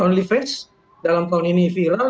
only fans dalam tahun ini viral